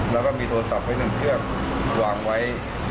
แล้วก็มีโทรศัพท์ไว้หนึ่งเครื่องวางไว้